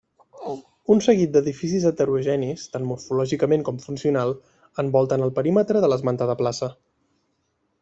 Un seguit d'edificis heterogenis tant morfològicament com funcional, envolten el perímetre de l'esmentada plaça.